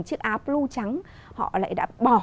chiếc áo blue trắng họ lại đã bỏ